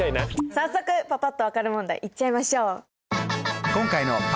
早速パパっと分かる問題いっちゃいましょう！